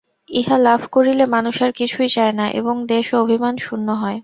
ইহা লাভ করিলে মানুষ আর কিছুই চায় না এবং দ্বেষ ও অভিমান-শূন্য হয়।